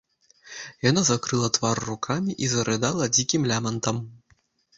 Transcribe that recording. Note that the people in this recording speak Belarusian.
Яна закрыла твар рукамі і зарыдала дзікім лямантам.